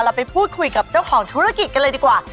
เราไปพูดคุยกับเจ้าของธุรกิจกันเลยดีกว่า